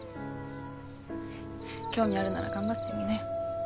興味あるなら頑張ってみなよ。